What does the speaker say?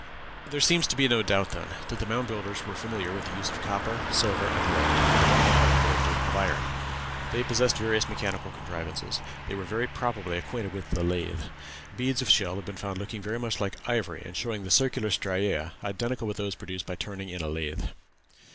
There seems to be no doubt, then, that the Mound Builders were familiar with the use of copper, silver, and lead, and in all probability of iron. They possessed various mechanical contrivances. They were very probably acquainted with the lathe. Beads of shell have been found looking very much like ivory, and showing the circular striæ, identical with those produced by turning in a lathe.